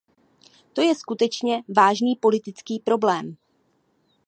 To je skutečně vážný politický problém.